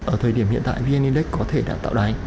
ở thời điểm hiện tại vnedex có thể đã tạo đáy